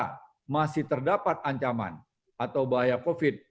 jika masih terdapat ancaman atau bahaya covid sembilan belas